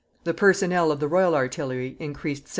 = The personnel of the Royal Artillery increased 17.